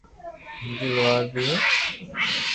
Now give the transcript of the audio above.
ھندو لوھار بي ھي